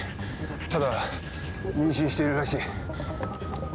ただ妊娠しているらしい。